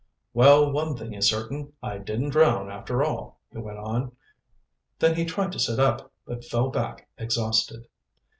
"Well, one thing is certain, I didn't drown, after all," he went on. Then he tried to sit up, but fell back exhausted.